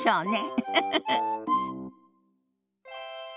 ウフフフ。